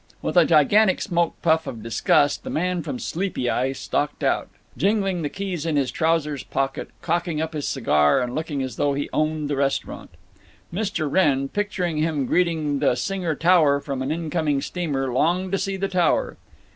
With a gigantic smoke puff of disgust the man from Sleepy Eye stalked out, jingling the keys in his trousers pocket, cocking up his cigar, and looking as though he owned the restaurant. Mr. Wrenn, picturing him greeting the Singer Tower from an incoming steamer, longed to see the tower.